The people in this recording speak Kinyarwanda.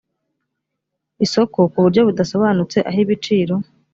isoko ku buryo budasobanutse aho ibiciro